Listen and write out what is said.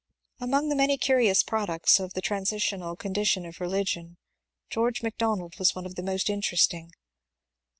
Among the many curious products of the transitional con dition of religion George Macdonald was one of the most in teresting.